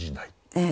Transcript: ええ。